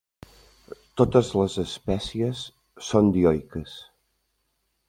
Totes les espècies són dioiques.